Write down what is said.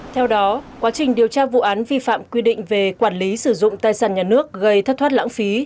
theo đó quá trình điều tra vụ án vi phạm quy định về quản lý sử dụng tài sản nhà nước gây thất thoát lãng phí